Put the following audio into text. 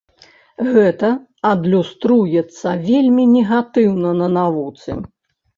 Гэта адлюструецца вельмі негатыўна на навуцы.